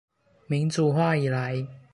民主化以來